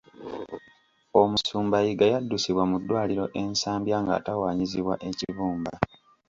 Omusumba Yiga yaddusibwa mu ddwaliro e Nsambya ng'atawaanyizibwa ekibumba.